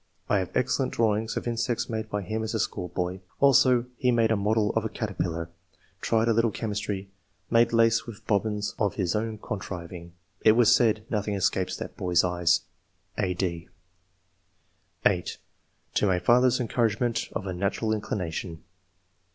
I have excellent drawings of insects made by him as a schoolboy ; also, he made a model of a caterpillar ; tried a III.] OBIOIN OF TASTE FOB SCIENCE. 179 little chemistry; made lace with bobbins of his own contriving. .... It was said, ' Nothing escapes that boy's eyes.' " (a, d) (8) "To my father's encouragement of a natural inclination."